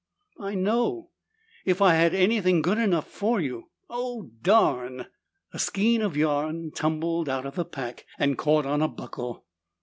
"I know. If I had anything good enough for you Oh, darn!" A skein of yarn tumbled out of the pack and caught on a buckle.